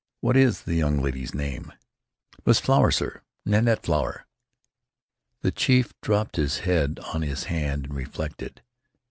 What is the young lady's name?" "Miss Flower, sir. Nanette Flower." The chief dropped his head on his hand and reflected.